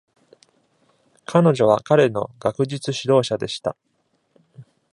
彼女は彼の学術指導者でした。